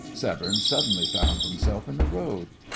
Severne suddenly found himself in the road.